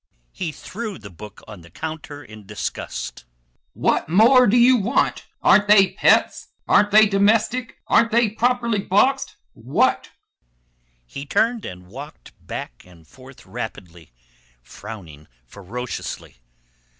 He threw the book on the counter in disgust. "What more do you want? Aren't they pets? Aren't they domestic? Aren't they properly boxed? What?" He turned and walked back and forth rapidly; frowning ferociously.